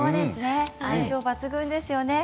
相性抜群ですよね。